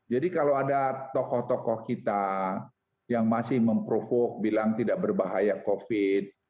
jadi kalau ada tokoh tokoh kita yang masih memprovoke bilang tidak berbahaya covid